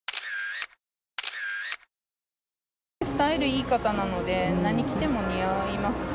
スタイルいい方なので、何着ても似合いますし。